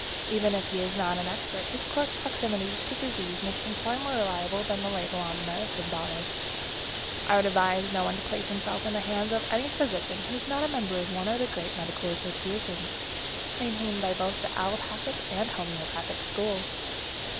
Even if he is not an expert, his close proximity to disease makes him far more reliable than the label on the medicine bottle. I would advise no one to place himself in the hands of any physician who is not a member of one of the great medical associations, maintained by both the allopathic and homeopathic schools.